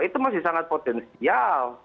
itu masih sangat potensial